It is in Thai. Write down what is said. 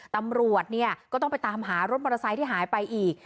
ตำรวจเนี่ยก็ต้องไปตามหารถมอเตอร์ไซค์ที่หายไปอีก